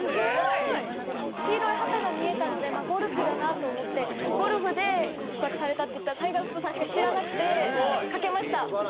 黄色い旗が見えたのでゴルフだなと思ってゴルフで復活されたっていったらタイガー・ウッズさんしか知らなくて賭けました。